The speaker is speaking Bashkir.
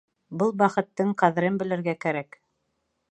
Был бәхеттең ҡәҙерен белергә кәрәк!